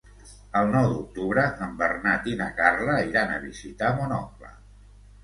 El nou d'octubre en Bernat i na Carla iran a visitar mon oncle.